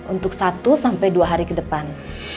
untuk satu dua hari kedepan